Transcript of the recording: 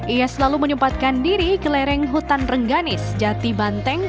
ia selalu menyempatkan diri ke lereng hutan rengganis jati banteng